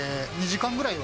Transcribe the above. ２時間。